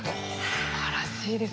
すばらしいです。